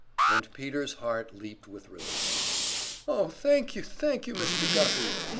And Peter's heart leaped with relief. "Oh, thank you, thank you, Mr. Guffey!"